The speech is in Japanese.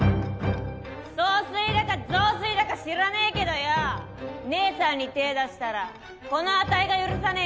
総帥だか雑炊だか知らねえけどよ姐さんに手ぇ出したらこのあたいが許さねえかんな！